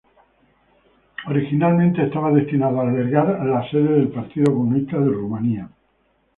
Originalmente estaba destinado a albergar a la Sede del Partido Comunista de Rumania.